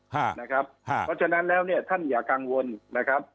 เพราะฉะนั้นแล้วเนี่ยท่านอย่ากังวลนะครับ